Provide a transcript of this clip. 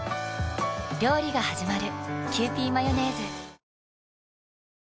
料理がはじまる。